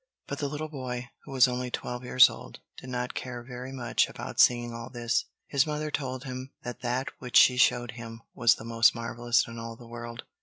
But the little boy, who was only twelve years old, did not care very much about seeing all this. His mother told him that that which she showed him was the most marvelous in all the world.